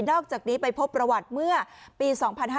อกจากนี้ไปพบประวัติเมื่อปี๒๕๕๙